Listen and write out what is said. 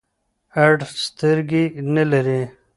اړ سترګي نلری .